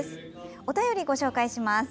お便りご紹介します。